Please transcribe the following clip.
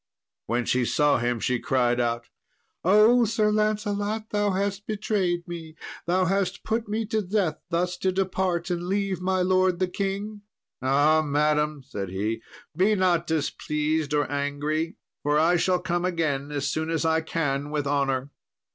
When she saw him she cried out, "Oh, Sir Lancelot, thou hast betrayed me; thou hast put me to death thus to depart and leave my lord the king." "Ah, madam," said he, "be not displeased or angry, for I shall come again as soon as I can with honour."